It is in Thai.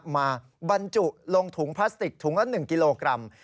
บรรจุลงถุงพลาสติกถุงละ๑กิโลกรัม